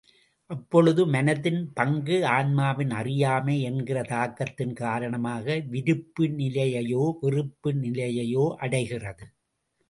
அப்பொழுது மனத்தின் பங்கு ஆன்மாவின் அறியாமை என்கிற தாக்கத்தின் காரணமாக விருப்பு நிலையையோ வெறுப்பு நிலையையோ அடைகிறது.